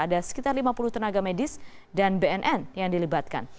ada sekitar lima puluh tenaga medis dan bnn yang dilibatkan